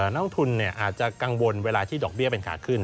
น้องทุนอาจจะกังวลเวลาที่ดอกเบี้ยเป็นขาขึ้น